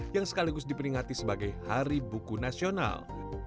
yang sekaligus diperingati sebagai hari buku nasional